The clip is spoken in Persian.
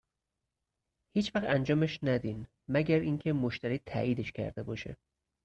هیچ وقت انجامش ندین مگر اینکه مشتری تاییدش کرده باشه.